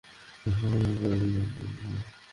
গত দুই মাস জীবনের ঝুঁকি নিয়ে আমি তোকে রক্ষা করেছি।